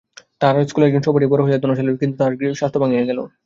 তাঁহার স্কুলের একজন সহপাঠী বড় হইয়া ধনশালী হইলেন, কিন্তু তাঁহার স্বাস্থ্য ভাঙিয়া গেল।